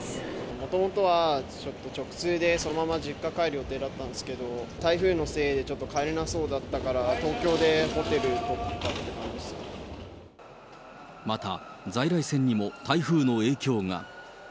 もともとはちょっと直通でそのまま実家帰る予定だったんですけれども、台風のせいでちょっと帰れなそうだったから、東京でホまた、在来線にも台風の影響が。